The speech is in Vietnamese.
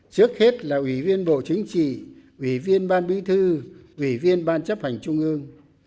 trước hết là ủy viên bộ chính trị ủy viên ban bí thư ủy viên ban chấp hành trung ương